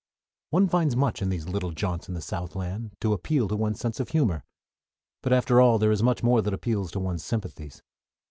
One finds much in these little jaunts in the Southland to appeal to one's sense of humor; but after all there is much more that appeals to one's sympathies.